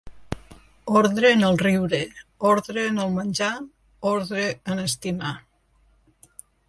Ordre en el riure, ordre en el menjar, ordre en estimar